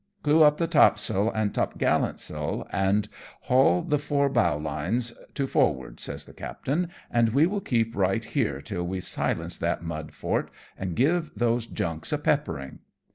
" Clew up the topsail and topgallant sail, and haul the fore bowline to windward,'" says the captain, " and we will keep right here till we silence that mud fort and give these junks a peppering."